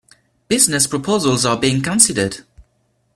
Business proposals are being considered.